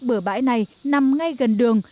bờ bãi này nằm ngay gần đường